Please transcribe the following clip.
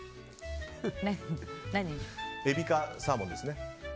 えびかサーモンですね。